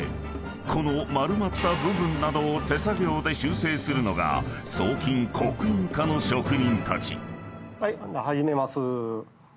［この丸まった部分などを手作業で修正するのが装金極印課の職人たち］